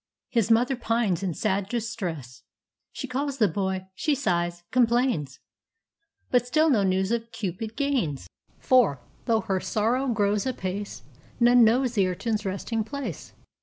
His mother pines in sad distress; She calls the boy, she sighs, complains, But still no news of Cupid gains; For, though her sorrow grows apace, None knows the urchin's resting place.